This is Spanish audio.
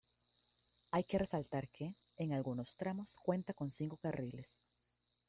Hay que resaltar que, en algunos tramos, cuenta con cinco carriles.